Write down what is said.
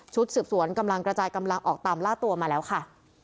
สืบสวนกำลังกระจายกำลังออกตามล่าตัวมาแล้วค่ะ